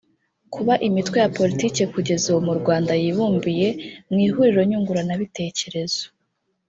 Kuba imitwe ya Politiki kugeza ubu mu Rwanda yibumbiye mu ihuriro nyunguranabitekerezo